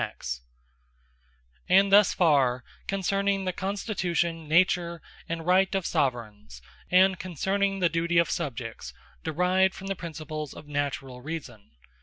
The Conclusion Of The Second Part And thus farre concerning the Constitution, Nature, and Right of Soveraigns; and concerning the Duty of Subjects, derived from the Principles of Naturall Reason.